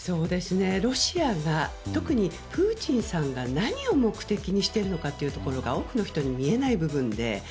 ロシアが特にプーチンさんが何を目的にしているのかというところが多くの人に見えない部分で。